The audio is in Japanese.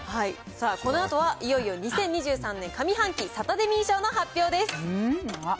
このあとはいよいよ２０２３年上半期サタデミー賞の発表です。